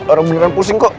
orang beneran pusing kok